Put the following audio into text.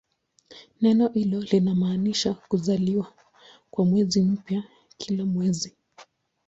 Neno hilo linamaanisha "kuzaliwa" kwa mwezi mpya kila mwezi.